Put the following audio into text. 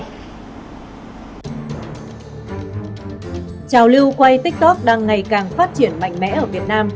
chào lưu quay tiktok đang ngày càng phát triển mạnh mẽ ở việt nam